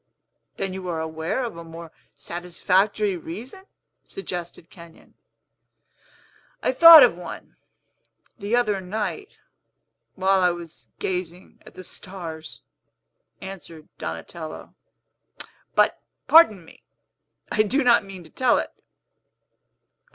"Then you are aware of a more satisfactory reason?" suggested Kenyon. "I thought of one, the other night, while I was gazing at the stars," answered Donatello; "but, pardon me, I do not mean to tell it.